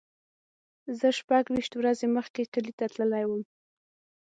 زه شپږ ویشت ورځې مخکې کلی ته تللی وم.